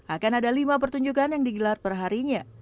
akan ada lima pertunjukan yang digelar perharinya